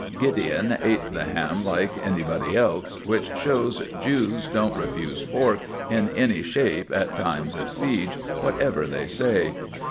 Gideon ate the ham like anybody else, which shows Jews don't refuse pork in any shape at times of siege, whatever they say.